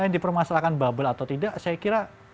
dipermasalahkan bubble atau tidak saya kira